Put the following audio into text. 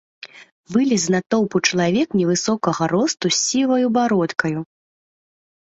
Вылез з натоўпу чалавек невысокага росту з сіваю бародкаю.